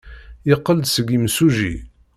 Yeqqel-d seg yimsujji.